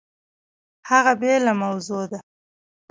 هغه بېله موضوع ده!